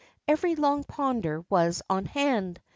Every Long Ponder was on hand.